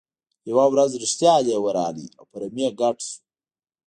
یوه ورځ رښتیا لیوه راغی او په رمې ګډ شو.